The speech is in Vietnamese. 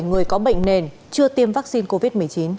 người có bệnh nền chưa tiêm vaccine covid một mươi chín